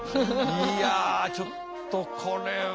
いやちょっとこれは。